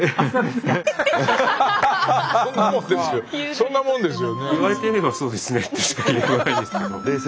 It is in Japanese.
そんなもんですよね。